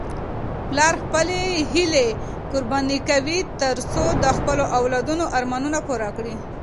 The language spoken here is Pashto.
پلار خپلې هیلې قرباني کوي ترڅو د خپلو اولادونو ارمانونه پوره کړي.